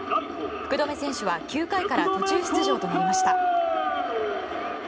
福留選手は９回から途中出場となりました。